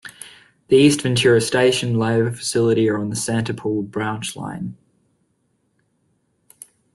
The East Ventura Station and layover facility are on the Santa Paula branch line.